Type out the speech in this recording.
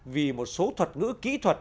vì một số thuật ngữ kỹ thuật